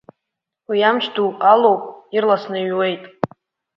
Уи амч ду алоуп, ирласы иҩуеит.